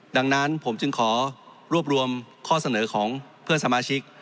ดังนั้นผมจึงขอรวบรวมข้อเสนอของเพื่อนสมาชิก